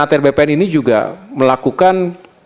atr bpn ini juga melakukan